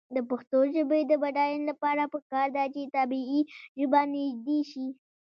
د پښتو ژبې د بډاینې لپاره پکار ده چې طبعي ژبه نژدې شي.